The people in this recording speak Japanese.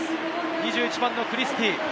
２１番のクリスティー。